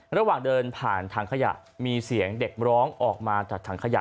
ระหว่างเดินผ่านถังขยะมีเสียงเด็กร้องออกมาจากถังขยะ